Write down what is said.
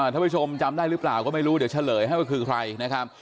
ท่านผู้ชมจำได้หรือเปล่าก็ไม่รู้เดี๋ยวเฉลยให้ว่าคือใครนะครับ